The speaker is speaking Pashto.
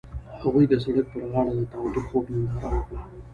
هغوی د سړک پر غاړه د تاوده خوب ننداره وکړه.